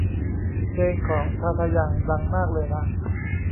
เพลงของทาทา ยัง ดังมากเลยนะ